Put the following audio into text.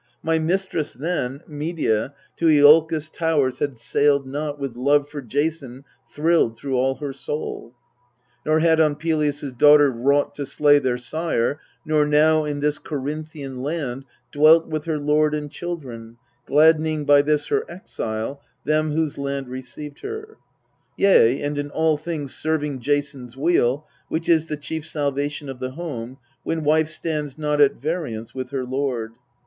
My mistress then, Medea, to lolkos' towers had sailed not ' With love for Jason thrilled through all her soul, Nor had on Pelias' daughters wrought to slay Their sire, nor now in this Corinthian land Dwelt with her lord and children, gladdening By this her exile them whose land received her; Yea, and in all things serving Jason's weal, Which is the chief salvation of the home, When wife stands not at variance with her lord.